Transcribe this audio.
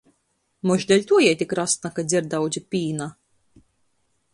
Mož deļtuo jei tik rasna, ka dzer daudzi pīna?